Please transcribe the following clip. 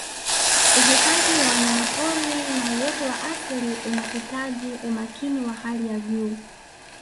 Uhifadhi wa wanyapori na uoto wa asili unahitaji umakini wa hali ya juu